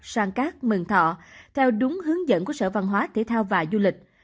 sang cát mừng thọ theo đúng hướng dẫn của sở văn hóa thể thao và du lịch